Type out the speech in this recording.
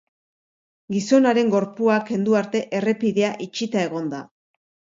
Gizonaren gorpua kendu arte errepidea itxita egon da.